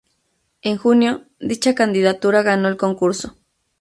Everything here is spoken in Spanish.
En junio, dicha candidatura ganó el concurso.